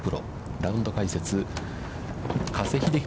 ラウンド解説、加瀬秀樹